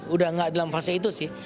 udah gak dalam fase itu sih